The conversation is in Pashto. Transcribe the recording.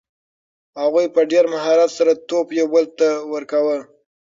هغوی په ډېر مهارت سره توپ یو بل ته ورکاوه.